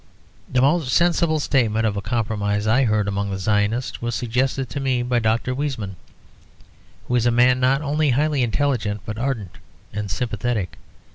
The most sensible statement of a compromise I heard among the Zionists was suggested to me by Dr. Weizmann, who is a man not only highly intelligent but ardent and sympathetic.